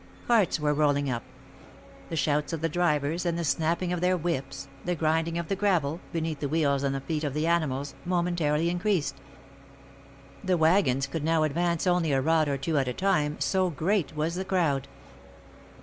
Carts were rolling up. The shouts of the drivers and the snapping of their whips, the grinding of the gravel, beneath the wheels and the feet of the animals, momentarily increased. The wagons could now advance only a rod or two at a time, so great was the crowd.